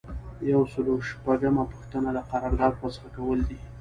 یو سل او شپږمه پوښتنه د قرارداد فسخه کیدل دي.